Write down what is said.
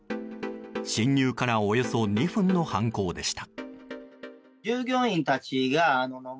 侵入からおよそ２分の犯行でした。